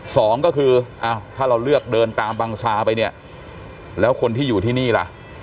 สองก็คืออ้าวถ้าเราเลือกเดินตามบังซาไปเนี่ยแล้วคนที่อยู่ที่นี่ล่ะ